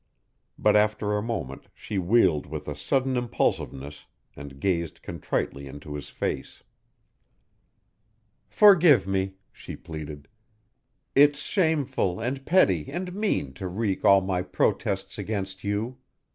But after a moment she wheeled with a sudden impulsiveness and gazed contritely into his face. "Forgive me," she pleaded. "It's shameful and petty and mean to wreak all my protests against you.